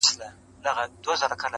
• هغه وطن مي راته تنور دی -